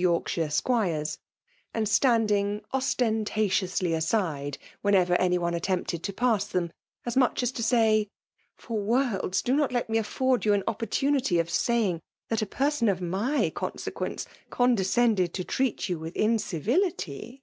Yorkshire squires ; and standing ostentatiously aside whenever any one attempted to passt theod, — as much as to say —" for worlds do not let me afford you an opportunity of saying that a person of my consequence condescended to treat you with incivility